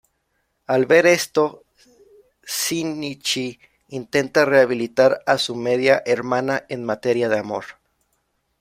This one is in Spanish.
Al ver esto, Shinichi intenta rehabilitar a su media hermana en materia de amor.